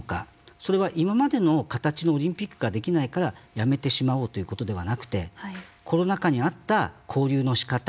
それは今までの形のオリンピックができないからやめてしまおうということではなくてコロナ禍に合った交流のしかた